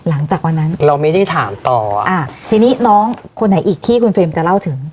หลังจากวันนั้นเราไม่ได้ถามต่ออ่าทีนี้น้องคนไหนอีกที่คุณเฟรมจะเล่าถึง